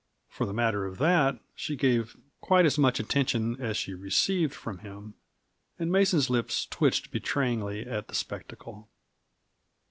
For the matter of that, she gave quite as much attention as she received from him and Mason's lips twitched betrayingly at the spectacle.